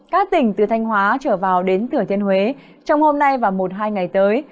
các tỉnh từ thanh hóa trở vào đến thừa thiên huế trong hôm nay và một hai ngày tới